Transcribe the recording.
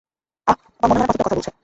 আহ, আমার মনে হয় না পাথরটা কথা বলছে।